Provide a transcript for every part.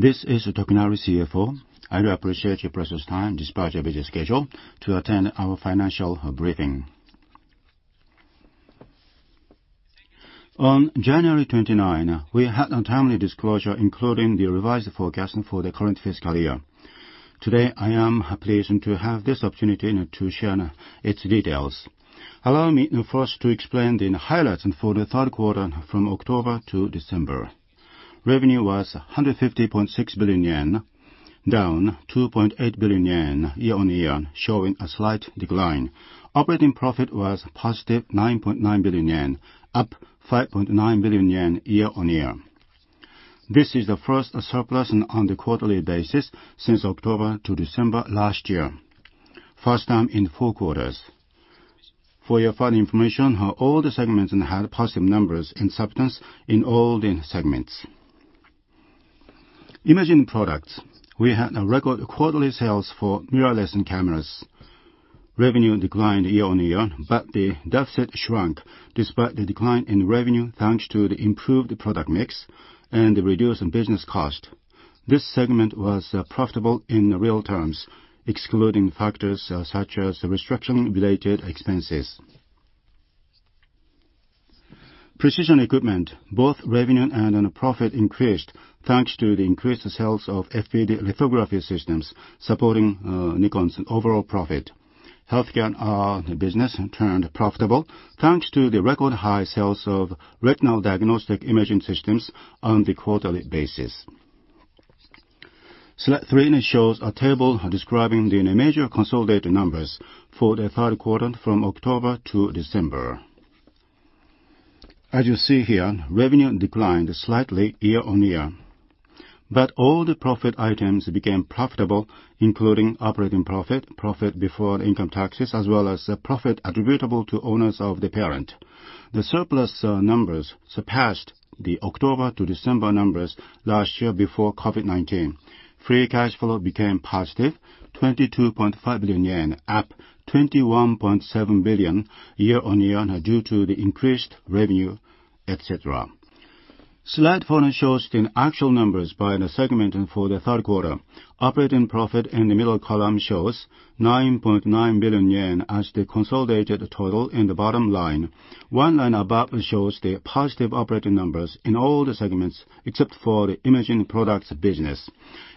This is Tokunari, CFO. I appreciate your precious time despite your busy schedule to attend our financial briefing. On January 29, we had a timely disclosure, including the revised forecast for the current fiscal year. Today, I am pleased to have this opportunity to share its details. Allow me first to explain the highlights for the third quarter from October to December. Revenue was 150.6 billion yen, down 2.8 billion year-on-year, showing a slight decline. Operating profit was positive 9.9 billion yen, up 5.9 billion year-on-year. This is the first surplus on the quarterly basis since October to December last year, first time in four quarters. For your further information, all the segments had positive numbers and substance in all the segments. Imaging Products, we had record quarterly sales for mirrorless cameras. Revenue declined year-on-year, but the deficit shrunk despite the decline in revenue, thanks to the improved product mix and the reduced business cost. This segment was profitable in real terms, excluding factors such as the restructuring-related expenses. Precision Equipment, both revenue and profit increased thanks to the increased sales of FPD Lithography Systems, supporting Nikon's overall profit. Healthcare business turned profitable, thanks to the record-high sales of retinal diagnostic imaging systems on the quarterly basis. Slide three shows a table describing the major consolidated numbers for the third quarter from October to December. As you see here, revenue declined slightly year-on-year, but all the profit items became profitable, including operating profit before income taxes, as well as the profit attributable to owners of the parent. The surplus numbers surpassed the October to December numbers last year before COVID-19. Free cash flow became positive, 22.5 billion yen, up 21.7 billion year-over-year, due to the increased revenue, et cetera. Slide four shows the actual numbers by the segment for the third quarter. Operating profit in the middle column shows 9.9 billion yen as the consolidated total in the bottom line. One line above shows the positive operating numbers in all the segments except for the Imaging Products Business.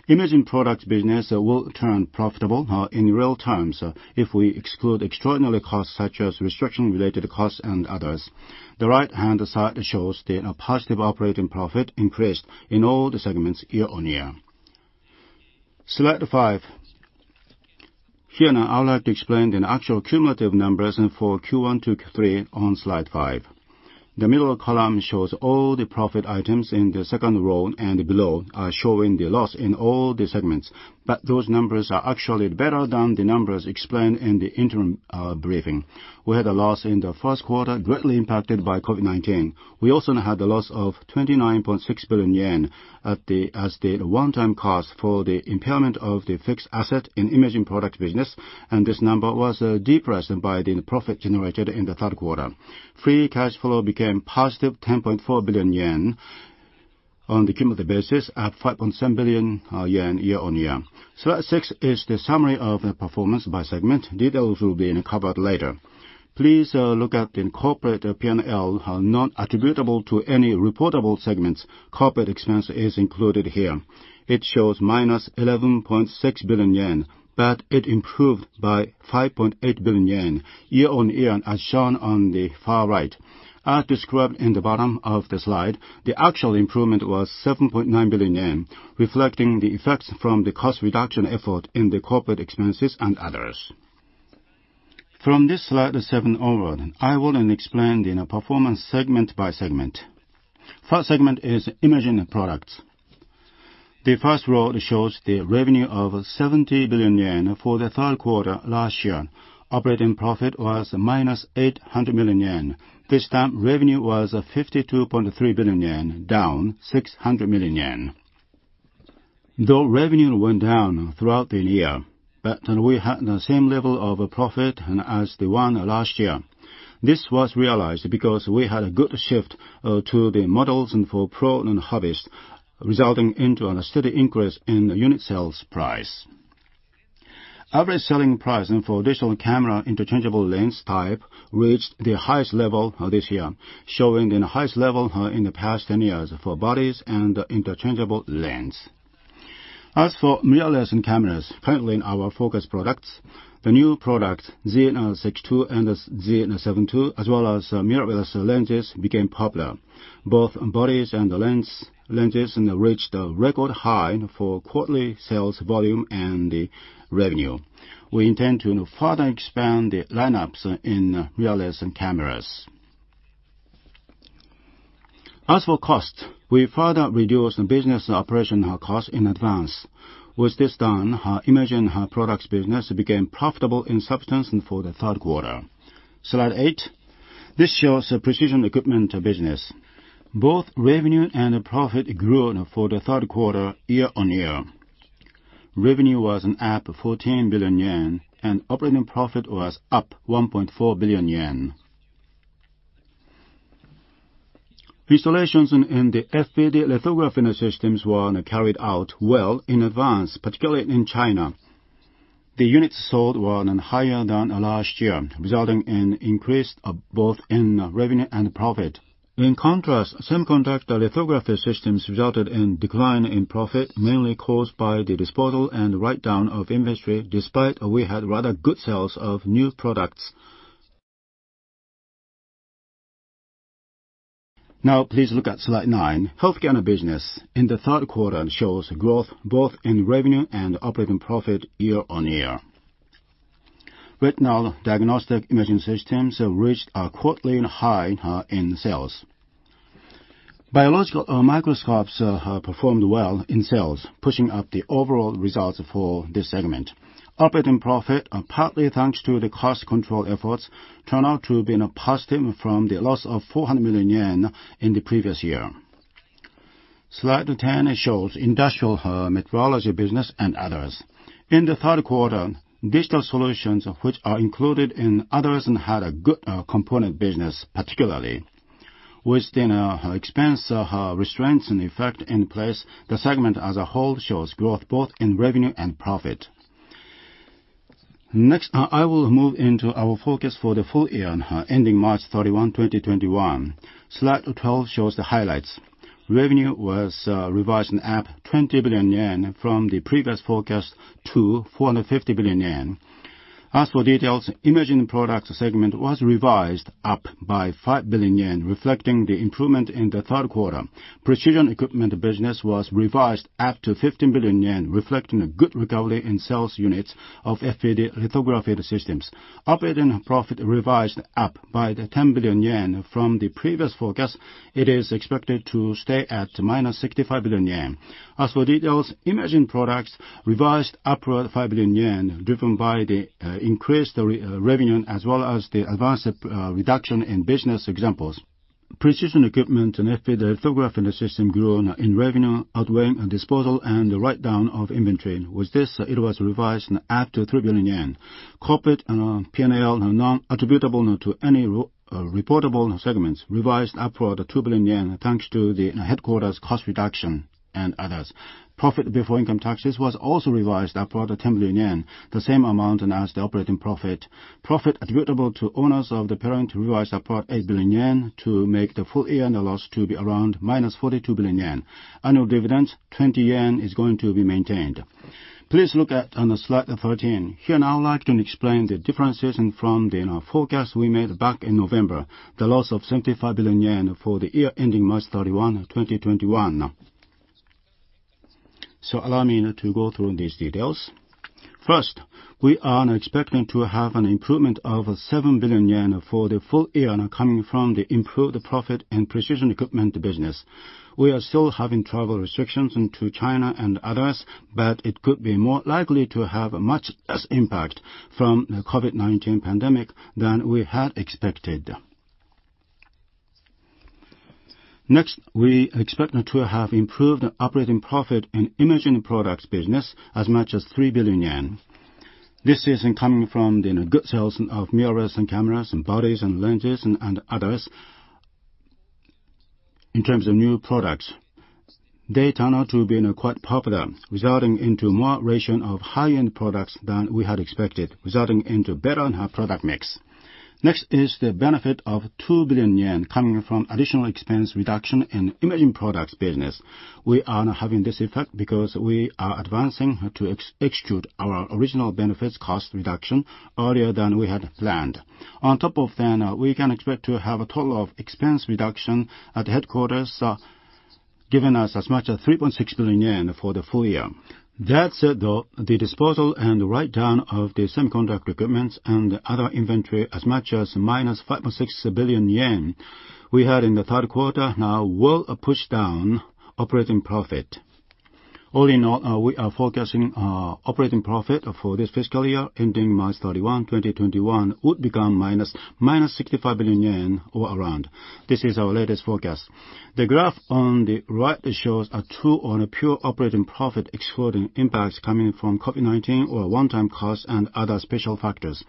Imaging Products Business will turn profitable in real terms if we exclude extraordinary costs such as restructuring-related costs and others. The right-hand side shows the positive operating profit increased in all the segments year-over-year. Slide five. Here, I would like to explain the actual cumulative numbers for Q1 to Q3 on slide five. The middle column shows all the profit items in the second row and below are showing the loss in all the segments, but those numbers are actually better than the numbers explained in the interim briefing. We had a loss in the first quarter, greatly impacted by COVID-19. We also had the loss of 29.6 billion yen as the one-time cost for the impairment of the fixed asset in Imaging Products Business, and this number was depressed by the profit generated in the third quarter. Free cash flow became positive 10.4 billion yen on the cumulative basis, up 5.7 billion yen year-on-year. Slide six is the summary of the performance by segment. Details will be covered later. Please look at the corporate P&L, not attributable to any reportable segments. Corporate expense is included here. It shows -11.6 billion yen, it improved by 5.8 billion year-on-year, as shown on the far right. As described in the bottom of the slide, the actual improvement was 7.9 billion yen, reflecting the effects from the cost reduction effort in the corporate expenses and others. From this slide seven onward, I will explain the performance segment by segment. First segment is Imaging Products. The first row shows the revenue of 70 billion yen for the third quarter last year. Operating profit was -800 million yen. This time, revenue was 52.3 billion yen, down 600 million. Though revenue went down throughout the year, we had the same level of profit as the one last year. This was realized because we had a good shift to the models for pro and hobbies, resulting into a steady increase in unit sales price. Average selling price for digital camera interchangeable lens type reached the highest level this year, showing the highest level in the past 10 years for bodies and interchangeable lens. As for mirrorless cameras, currently in our focus products, the new product Z 6II and Z 7II, as well as mirrorless lenses became popular. Both bodies and the lenses reached a record high for quarterly sales volume and revenue. We intend to further expand the lineups in mirrorless cameras. As for cost, we further reduced business operational cost in advance. With this done, our Imaging Products Business became profitable in substance for the third quarter. Slide eight. This shows the Precision Equipment to Business. Both revenue and profit grew for the third quarter year-over-year. Revenue was up 14 billion yen, and operating profit was up 1.4 billion yen. Installations in the FPD Lithography Systems were carried out well in advance, particularly in China. The units sold were higher than last year, resulting in increased both in revenue and profit. In contrast, Semiconductor Lithography Systems resulted in decline in profit, mainly caused by the disposal and write-down of inventory, despite we had rather good sales of new products. Now please look at slide nine. Healthcare business in the third quarter shows growth both in revenue and operating profit year-on-year. Retinal diagnostic imaging systems have reached a quarterly high in sales. Biological microscopes have performed well in sales, pushing up the overall results for this segment. Operating profit, partly thanks to the cost control efforts, turned out to be positive from the loss of 400 million yen in the previous year. Slide 10 shows Industrial Metrology Business and Others. In the third quarter, digital solutions, which are included in others, had a good components business, particularly. With expense restraints in effect in place, the segment as a whole shows growth both in revenue and profit. Next, I will move into our forecast for the full year ending March 31, 2021. Slide 12 shows the highlights. Revenue was revised up 20 billion yen from the previous forecast to 450 billion yen. As for details, Imaging Products segment was revised up by 5 billion yen, reflecting the improvement in the third quarter. Precision Equipment Business was revised up to 15 billion yen, reflecting a good recovery in sales units of FPD Lithography Systems. Operating profit revised up by 10 billion yen from the previous forecast. It is expected to stay at minus 65 billion yen. As for details, Imaging Products revised upward 5 billion yen, driven by the increased revenue as well as the advanced reduction in business expenses. Precision Equipment and FPD Lithography Systems grew in revenue, outweighing a disposal and the write-down of inventory. With this, it was revised up to 3 billion yen. Corporate P&L not attributable to any reportable segments revised upward 2 billion yen, thanks to the headquarters' cost reduction and others. Profit before income taxes was also revised upward 10 billion yen, the same amount as the operating profit. Profit attributable to owners of the parent revised upward 8 billion yen to make the full-year loss to be around minus 42 billion yen. Annual dividends, 20 yen, is going to be maintained. Please look at Slide 13. Here, I would like to explain the differences from the forecast we made back in November, the loss of 75 billion yen for the year ending March 31, 2021. So allow me to go through these details. First, we are expecting to have an improvement of 7 billion yen for the full year coming from the improved profit and Precision Equipment Business. We are still having travel restrictions into China and others, but it could be more likely to have much less impact from the COVID-19 pandemic than we had expected. Next, we expect to have improved operating profit in Imaging Products Business as much as 3 billion yen. This is coming from the good sales of mirrorless, and cameras, and bodies, and lenses, and others. In terms of new products, they turned out to be quite popular, resulting into more ratio of high-end products than we had expected, resulting into better product mix. Next is the benefit of 2 billion yen coming from additional expense reduction in Imaging Products Business. We are having this effect because we are advancing to execute our original business cost reduction earlier than we had planned. On top of then, we can expect to have a total of expense reduction at the headquarters, giving us as much as 3.6 billion yen for the full year. That said, though, the disposal and write-down of the Semiconductor Lithography Systems and other inventory as much as -5.6 billion yen we had in the third quarter now will push down operating profit. All in all, we are forecasting operating profit for this fiscal year ending March 31, 2021, would become -65 billion yen or around. This is our latest forecast. The graph on the right shows a true on a pure operating profit excluding impacts coming from COVID-19 or one-time costs and other special factors.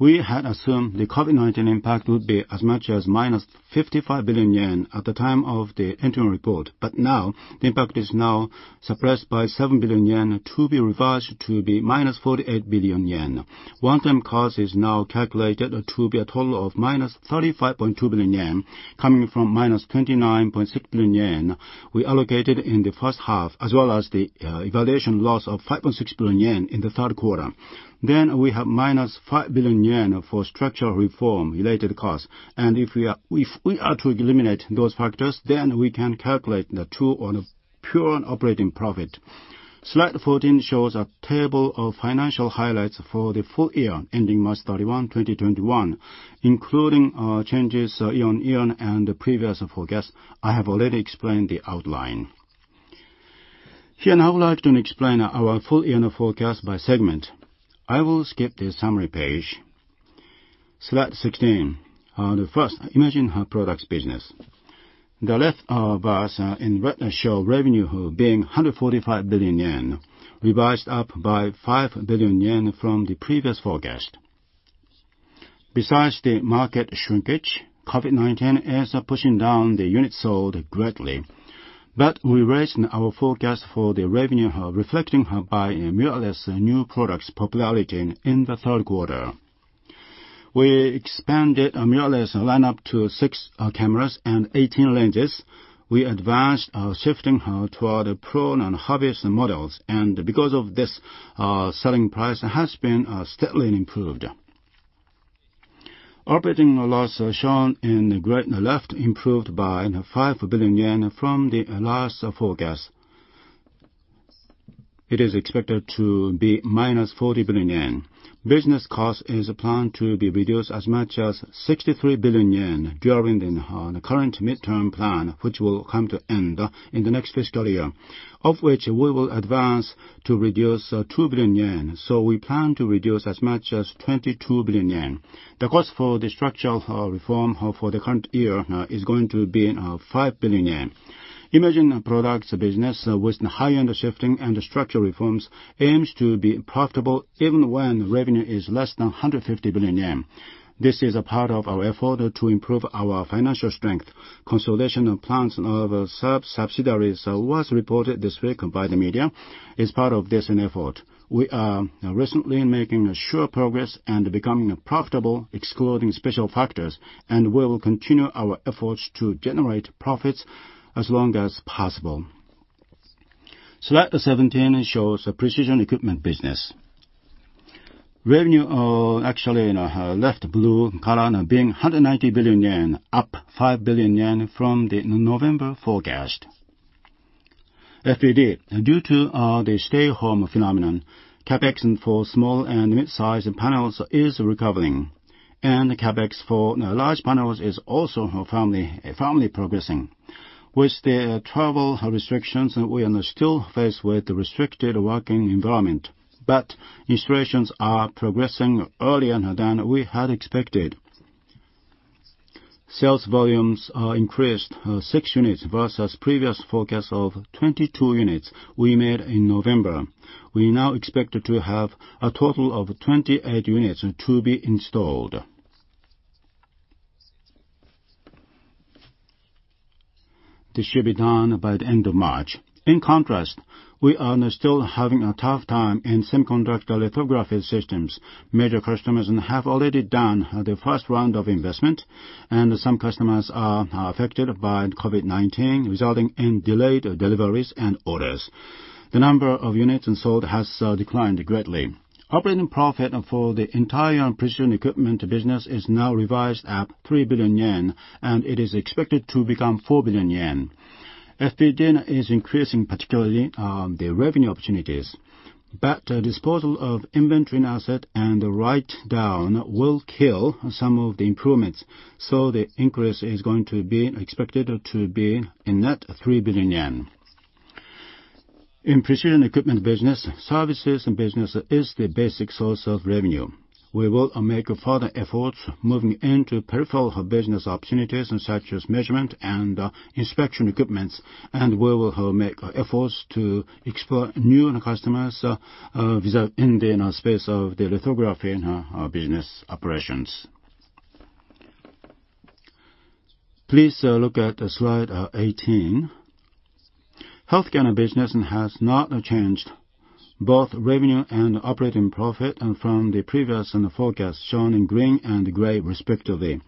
We had assumed the COVID-19 impact would be as much as -55 billion yen at the time of the interim report. Now the impact is now suppressed by 7 billion yen to be revised to be JPY-48 billion. One-time cost is now calculated to be a total of -35.2 billion yen, coming from -29.6 billion yen we allocated in the first half, as well as the evaluation loss of 5.6 billion yen in the third quarter. We have -5 billion yen for structural reform-related costs. If we are to eliminate those factors, then we can calculate the true on a pure operating profit. Slide 14 shows a table of financial highlights for the full year ending March 31, 2021, including changes year-over-year and the previous forecast. I have already explained the outline. Here, I would like to explain our full-year forecast by segment. I will skip this summary page. Slide 16. First, Imaging Products Business. The left bars in red show revenue being 145 billion yen, revised up by 5 billion from the previous forecast. Besides the market shrinkage, COVID-19 is pushing down the units sold greatly. We raised our forecast for the revenue, reflecting by mirrorless new products' popularity in the third quarter. We expanded our mirrorless line up to six cameras and 18 lenses. We advanced our shifting toward pro and hobbyist models, because of this, our selling price has been steadily improved. Operating loss shown in the grid on the left improved by 5 billion yen from the last forecast. It is expected to be -40 billion yen. Business cost is planned to be reduced as much as 63 billion yen during the current midterm plan, which will come to end in the next fiscal year, of which we will advance to reduce 2 billion yen. We plan to reduce as much as 22 billion yen. The cost for the structural reform for the current year is going to be 5 billion yen. Imaging Products Business with high-end shifting and structural reforms aims to be profitable even when revenue is less than 150 billion yen. This is a part of our effort to improve our financial strength. Consolidation of plants of subsidiaries was reported this week by the media as part of this effort. We are recently making sure progress and becoming profitable, excluding special factors, and we will continue our efforts to generate profits as long as possible. Slide 17 shows Precision Equipment Business. Revenue, actually in left blue column being 190 billion yen, up 5 billion from the November forecast. FPD, due to the stay home phenomenon, CapEx for small and mid-size panels is recovering, and CapEx for large panels is also firmly progressing. With the travel restrictions, we are still faced with restricted working environment, but installations are progressing earlier than we had expected. Sales volumes are increased six units versus previous forecast of 22 units we made in November. We now expect to have a total of 28 units to be installed. This should be done by the end of March. In contrast, we are still having a tough time in Semiconductor Lithography Systems. Major customers have already done the first round of investment, and some customers are affected by COVID-19, resulting in delayed deliveries and orders. The number of units sold has declined greatly. Operating profit for the entire Precision Equipment Business is now revised up 3 billion yen, and it is expected to become 4 billion yen. FPD is increasing, particularly on the revenue opportunities. But the disposal of inventory and asset and the write-down will kill some of the improvements, so the increase is going to be expected to be a net 3 billion yen. In Precision Equipment Business, services business is the basic source of revenue. We will make further efforts moving into peripheral business opportunities such as measurement and inspection equipments, and we will make efforts to explore new customers, result in the space of the lithography in our business operations. Please look at slide 18. Healthcare Business has not changed both revenue and operating profit and from the previous forecast shown in green and gray, respectively.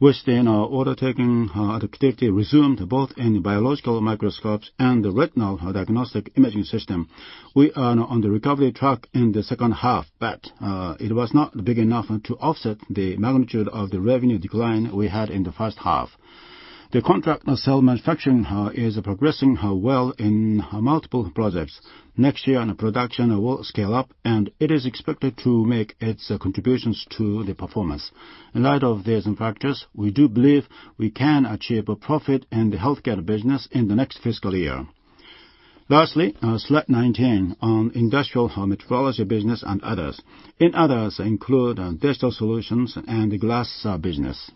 With the order taking activity resumed both in biological microscopes and the retinal diagnostic imaging system, we are on the recovery track in the second half, but it was not big enough to offset the magnitude of the revenue decline we had in the first half. The contract cell manufacturing is progressing well in multiple projects. Next year, production will scale up, and it is expected to make its contributions to the performance. In light of these factors, we do believe we can achieve a profit in the Healthcare Business in the next fiscal year. Lastly, slide 19 on industrial metrology business and others. In others include digital solutions and glass business.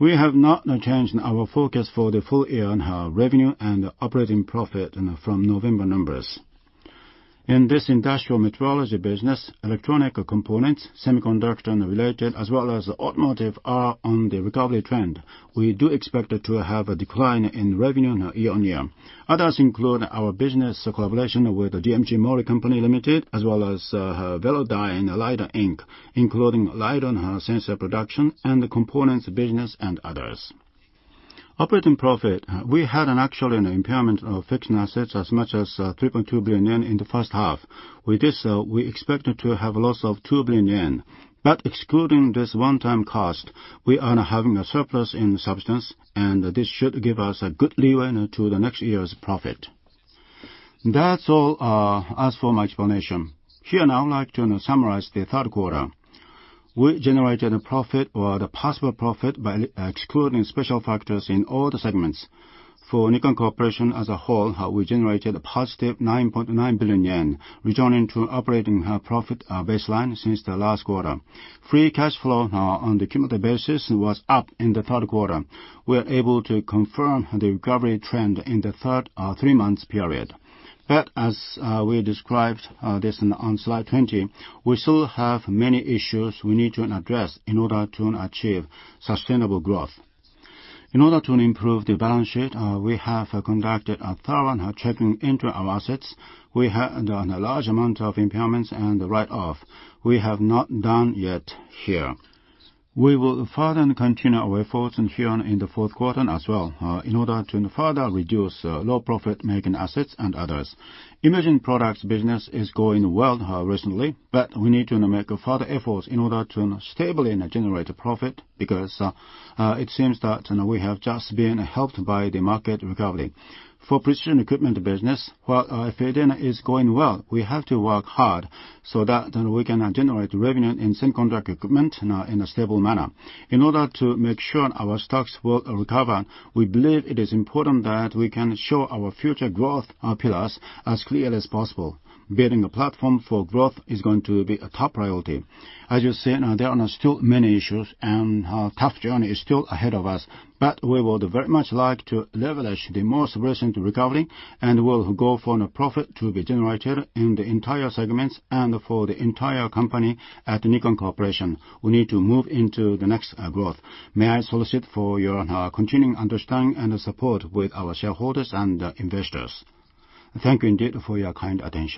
We have not changed our focus for the full year on our revenue and operating profit from November numbers. In this Industrial Metrology Business, electronic components, semiconductor and related, as well as automotive, are on the recovery trend. We do expect to have a decline in revenue year-on-year. Others include our business collaboration with the DMG MORI Company Limited, as well as Velodyne Lidar, Inc., including LiDAR sensor production and the Components business and others. Operating profit. We had an actual impairment of fixed assets as much as 3.2 billion yen in the first half. With this, we expect to have loss of 2 billion yen. Excluding this one-time cost, we are having a surplus in substance, and this should give us a good leeway to the next year's profit. That's all as for my explanation. Here now, I'd like to summarize the third quarter. We generated a profit or the possible profit by excluding special factors in all the segments. For Nikon Corporation as a whole, we generated a positive 9.9 billion yen, returning to operating profit baseline since the last quarter. Free cash flow on the cumulative basis was up in the third quarter. We are able to confirm the recovery trend in the third three-months period. But as we described this on slide 20, we still have many issues we need to address in order to achieve sustainable growth. In order to improve the balance sheet, we have conducted a thorough checking into our assets. We have done a large amount of impairments and write-off. We have not done yet here. We will further continue our efforts here in the fourth quarter as well, in order to further reduce low profit-making assets and others. Imaging products business is going well recently, but we need to make further efforts in order to stably generate profit because it seems that we have just been helped by the market recovery. For Precision Equipment Business, while our FPD is going well, we have to work hard so that we can generate revenue in semiconductor equipment in a stable manner. In order to make sure our stocks will recover, we believe it is important that we can show our future growth pillars as clearly as possible. Building a platform for growth is going to be a top priority. As you see, there are still many issues, and a tough journey is still ahead of us. We would very much like to leverage the most recent recovery and will go for a profit to be generated in the entire segments and for the entire company at Nikon Corporation. We need to move into the next growth. May I solicit for your continuing understanding and support with our shareholders and investors. Thank you indeed for your kind attention.